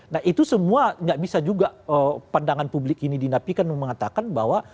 nah itu semua nggak bisa juga pandangan publik ini dinapikan mengatakan bahwa